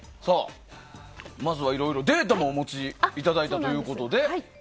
まずはいろいろデータもお持ちいただいたということで。